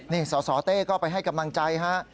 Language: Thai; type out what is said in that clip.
นี่สสเต้ก็ไปให้กำลังใจฮะ